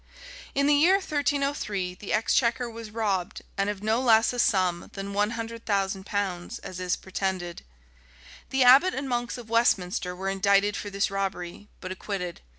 [*] In the year 1303, the exchequer was robbed, and of no less a sum than one hundred thousand pounds, as is pretended.[] The abbot and monks of Westminster were indicted for this robbery, but acquitted.